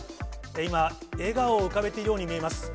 今、笑顔を浮かべているように見えます。